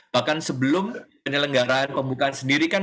bahkan sebelum penyelenggaraan pembukaan sendiri kan